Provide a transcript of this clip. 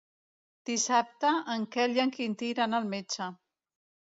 Dissabte en Quel i en Quintí iran al metge.